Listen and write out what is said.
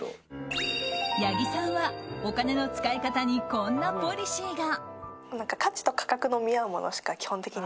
八木さんはお金の使い方にこんなポリシーが。